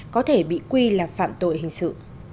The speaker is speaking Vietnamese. có thể bị quy là phạm tội hình sự